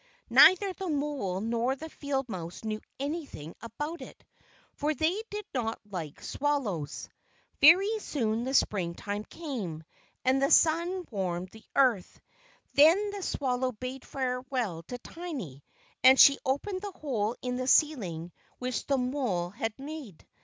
Neither the mole nor the field mouse knew anything about it, for they did not like swallows. Very soon the Spring time came, and the sun warmed the earth. Then the swallow bade farewell to Tiny, and she opened the hole in the ceiling which the mole had made.